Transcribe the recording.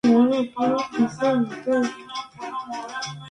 Finalmente el cierre no se produce debido a la resistencia estudiantil y docente.